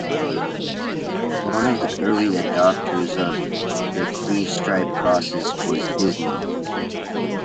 One of the early adopters of the three strip process was Disney.